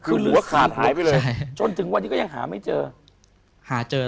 คือหัวขาดหายไปเลยจนถึงวันที่ก็ยังหาไม่เจอ